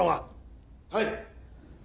はい！